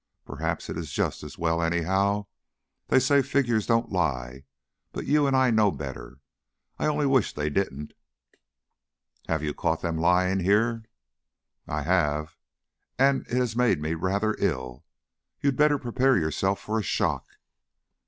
Perhaps it's just as well, anyhow. They say figures don't lie, but you and I know better. I only wish they didn't." "Have you caught them lying, here?" "I have. And it has made me rather ill. You'd better prepare yourself for a shock."